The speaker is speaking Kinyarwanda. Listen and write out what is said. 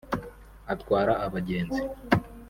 atwara abagenzi